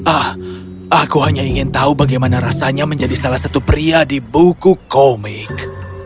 ah aku hanya ingin tahu bagaimana rasanya menjadi salah satu pria di buku komik